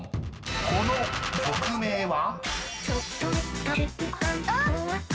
［この曲名は？］